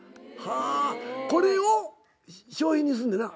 これを商品にすんねんな？